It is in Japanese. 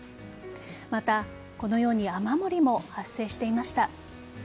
また、このように雨漏りも発生していました。